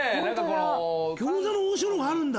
餃子の王将のがあるんだ。